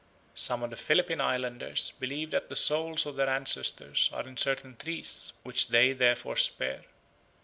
Some of the Philippine Islanders believe that the souls of their ancestors are in certain trees, which they therefore spare.